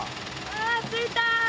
あ着いた！